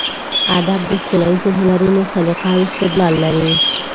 ادب د ښکلاییزو هنرونو سلیقه او استدلال لري.